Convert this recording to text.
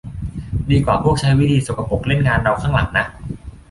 ดีกว่าพวกใช้วิธีสกปรกเล่นงานเราข้างหลังนะ